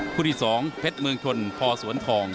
คู่ที่๒เพชรเมืองชนพอสวนทอง